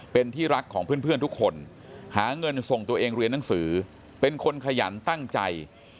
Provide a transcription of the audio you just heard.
เป็นที่รักของเพื่อนทุกคนหาเงินส่งตัวเองเรียนหนังสือเป็นคนขยันตั้งใจ